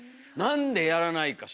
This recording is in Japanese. なんでやらないか？